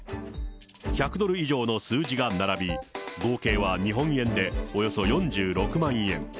１００ドル以上の数字が並び、合計は日本円でおよそ４６万円。